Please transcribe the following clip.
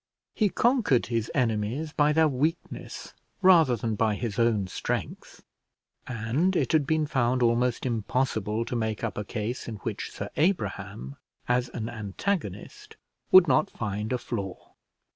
He conquered his enemies by their weakness rather than by his own strength, and it had been found almost impossible to make up a case in which Sir Abraham, as an antagonist, would not find a flaw.